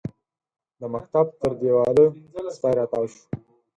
د مکتب تر دېواله سپی راتاو شو.